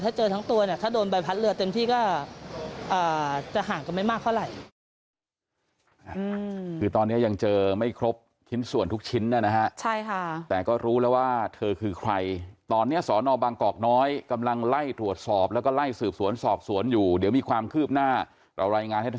ถ้าเจอทั้งตัวถ้าโดนใบพัดเรือเต็มที่ก็